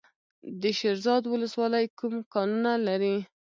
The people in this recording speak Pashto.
د شیرزاد ولسوالۍ کوم کانونه لري؟